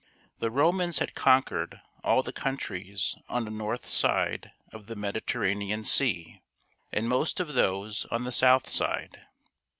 The Romans had conquered all the countries on the north side of the Mediterranean Sea and most of those on the south side.